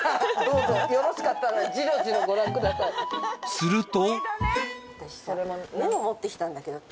すると。